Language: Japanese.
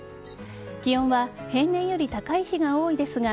気温は平年より高い日が多いですが